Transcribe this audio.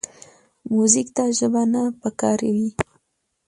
موزیک ته ژبه نه پکار وي.